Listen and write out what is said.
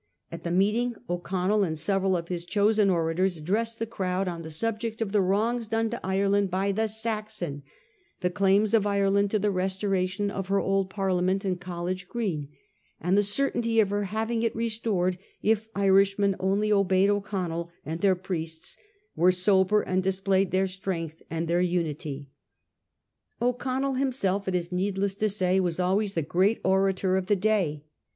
At the meeting O'Connell and several of his chosen orators addressed the crowd on the subject of the wrongs done to Ireland by ' the Saxon,' the claims of Ireland to the restoration of her old Parliament in College Green, and the certainty of her having it restored if Irishmen only obeyed O'Connell and their priests, were sober, and displayed their strength and their unity. O'Connell himself, it is needless to say, was always the great orator of the day.